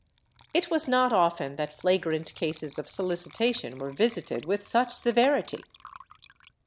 ^ It was not often that flagrant cases of solicitation were visited with such severity.